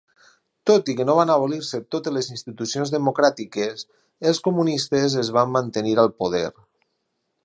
Tot i que no van abolir-se totes les institucions democràtiques, els comunistes es van mantenir al poder.